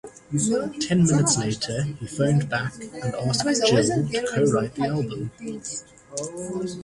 Ten minutes later he phoned back and asked Gill to co-write the album.